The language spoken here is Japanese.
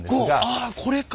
ああこれか。